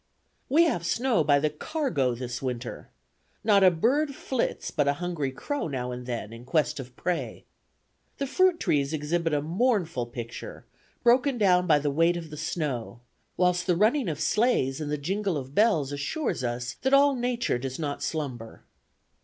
"We have snow by the cargo this winter. Not a bird flits but a hungry crow now and then, in quest of prey. The fruit trees exhibit a mournful picture, broken down by the weight of the snow; whilst the running of sleighs and the jingle of bells assures us that all nature does not slumber.